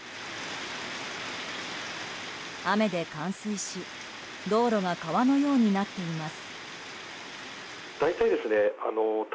雨で冠水し道路が川のようになっています。